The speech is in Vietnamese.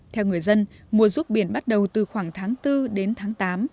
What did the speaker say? theo người dân mùa ruốc biển bắt đầu từ khoảng tháng bốn đến tháng tám